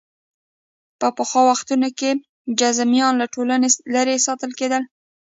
په پخوا وختونو کې جذامیان له ټولنې لرې ساتل کېدل.